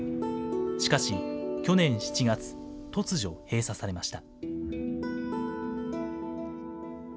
しかし、去年７月、突如閉鎖されました。